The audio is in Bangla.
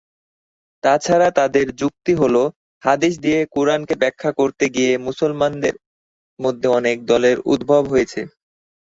তাছাড়া তাদের যুক্তি হল, হাদিস দিয়ে কুরআনকে ব্যাখ্যা করতে গিয়ে মুসলমানদের মধ্যে অনেক দলের উদ্ভব হয়েছে।